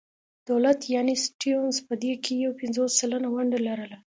دولت یعنې سټیونز په دې کې یو پنځوس سلنه ونډه لرله.